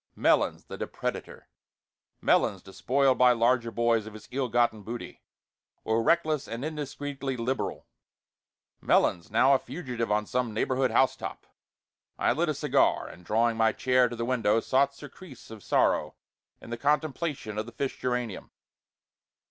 Melons the depredator Melons, despoiled by larger boys of his ill gotten booty, or reckless and indiscreetly liberal; Melons now a fugitive on some neighborhood housetop. I lit a cigar, and, drawing my chair to the window, sought surcease of sorrow in the contemplation of the fish geranium.